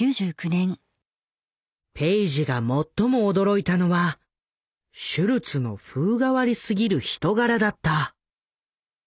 ペイジが最も驚いたのはシュルツの風変わりすぎる人柄だった。